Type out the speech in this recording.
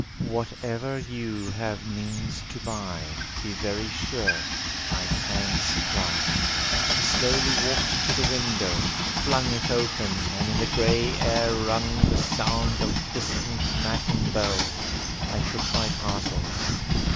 Whatever you have means to buy Be very sure I can supply." He slowly walked to the window, flung It open, and in the grey air rung The sound of distant matin bells. I took my parcels.